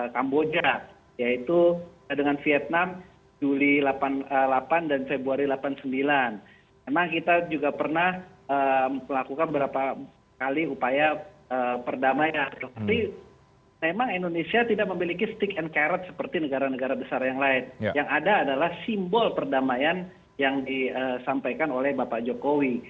kemudian juga stok informasi untuk menghubungkan hasil hasil g dua puluh saat ini